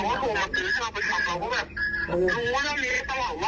เราหัวเด็ดดีขาดละไงเราบอกว่าเราเรียนโรงเรียนนี้